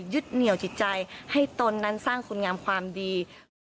เหนี่ยวจิตใจให้ตนนั้นสร้างคุณงามความดี